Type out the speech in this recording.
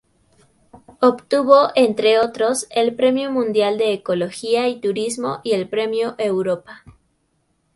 Obtuvo, entre otros, el Premio Mundial de Ecología y Turismo y el Premio Europa.